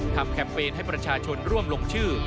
แคมเปญให้ประชาชนร่วมลงชื่อ